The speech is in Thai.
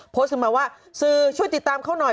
โพสต์มาว่าซืช่วยติดตามเค้าหน่อย